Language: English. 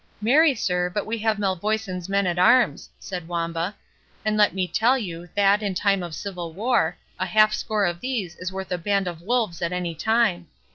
"Marry, sir, but we have Malvoisin's men at arms," said Wamba; "and let me tell you, that, in time of civil war, a halfscore of these is worth a band of wolves at any time.